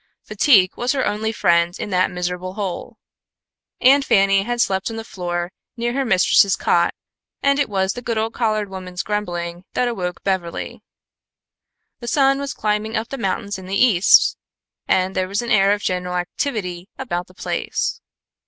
Fatigue was her only friend in that miserable hole. Aunt Fanny had slept on the floor near her mistress's cot, and it was the good old colored woman's grumbling that awoke Beverly. The sun was climbing up the mountains in the east, and there was an air of general activity about the place.